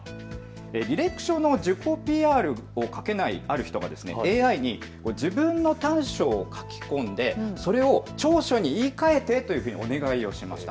履歴書の自己ＰＲを書けないある人がＡＩに自分の短所を書き込んで、それを長所に言いかえてというふうにお願いをしました。